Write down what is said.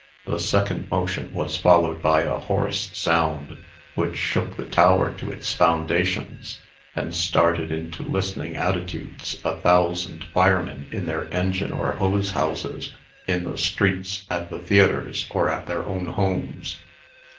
The second motion was followed by a hoarse sound, which shook the tower to its foundations, and started into listening attitudes a thousand firemen in their engine or hose houses, in the streets, at the theatres, or at their own homes.